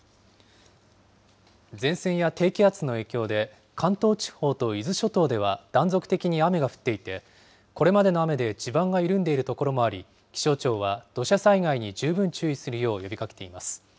前線や低気圧の影響で、関東地方と伊豆諸島では断続的に雨が降っていて、これまでの雨で地盤が緩んでいる所もあり、気象庁は土砂災害に十分注意するよう呼びかけています。